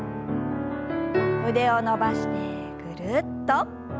腕を伸ばしてぐるっと。